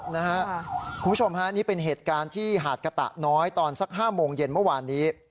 คุณผู้ชมฮะนี่เป็นเหตุการณ์ที่หาดกะตะน้อยตอนสัก๕โมงเย็นเมื่อวานนี้